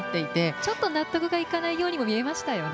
ちょっと納得がいかないようにも見えましたよね。